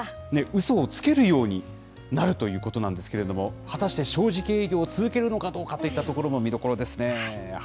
うそをつけるようになるということなんですけれども、果たして、正直営業を続けるのかどうかといったところも見どころですね。